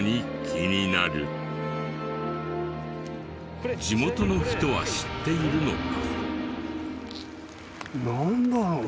これは地元の人は知っているのか？